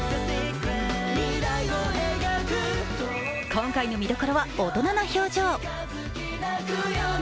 今回の見どころは大人な表情。